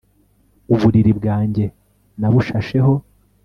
Uburiri bwanjye nabushasheho